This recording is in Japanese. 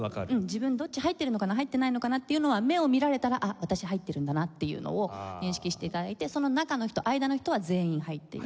自分どっち入ってるのかな入ってないのかなっていうのは目を見られたら「あっ私入ってるんだな」っていうのを認識して頂いてその中の人間の人は全員入っている。